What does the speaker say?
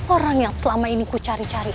orang yang selama ini ku cari cari